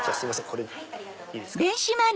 これいいですか。